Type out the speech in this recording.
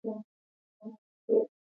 کوچیان د افغان کلتور سره تړاو لري.